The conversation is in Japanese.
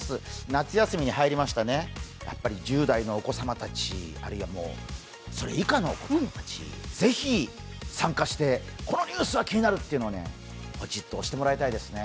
夏休みに入りましたね１０代のお子様たちあるいはそれ以下のお子さまたち、ぜひ参加して、このニュースが気になる！っていうのをポチッと押してもらいたいですね。